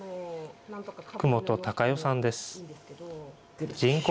福元孝予さんです。